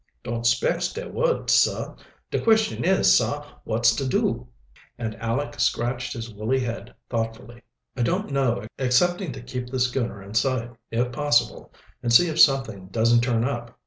"Don't specs da would, sah. De question is, sah: wot's to do?" And Aleck scratched his woolly head thoughtfully. "I don't know, excepting to keep the schooner in sight, if possible, and see if something doesn't turn up.